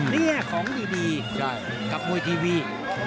นี่ของดีกับมวยทีวี